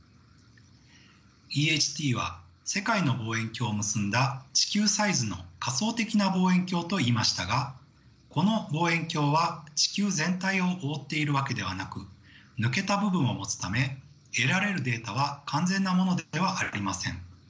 ＥＨＴは世界の望遠鏡を結んだ地球サイズの仮想的な望遠鏡と言いましたがこの望遠鏡は地球全体を覆っているわけではなく抜けた部分を持つため得られるデータは完全なものではありません。